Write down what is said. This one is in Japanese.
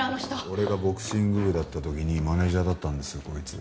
俺がボクシング部だった時にマネージャーだったんですよこいつ。